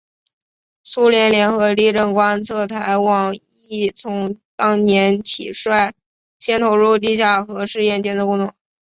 苏联联合地震观测台网亦从当年起率先投入地下核试验监测工作。